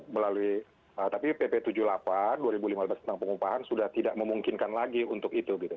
melalui tapi pp tujuh puluh delapan dua ribu lima belas tentang pengupahan sudah tidak memungkinkan lagi untuk itu gitu